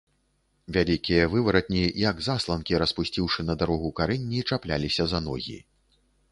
Вялікія вываратні, як засланкі, распусціўшы на дарогу карэнні, чапляліся за ногі.